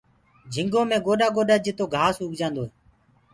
جهنٚگ گوڏآ گوڏآ جِتو گھآس اُگآنٚدوئي